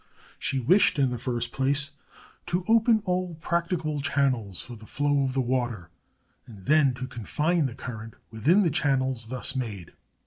She wished, in the first place, to open all practicable channels for the flow of the water, and then to confine the current within the channels thus made.